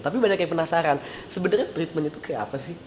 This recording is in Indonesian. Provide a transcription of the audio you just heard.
tapi banyak yang penasaran sebenarnya treatment itu kayak apa sih